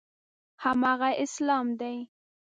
هماغه اسلام دی.